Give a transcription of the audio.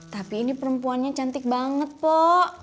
tapi ini perempuannya cantik banget pak